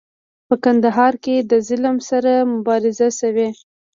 په کندهار کې د ظلم سره مبارزې شوي.